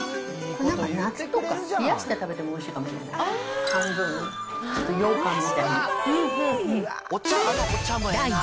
夏とか冷やして食べてもおいしいかもしれない。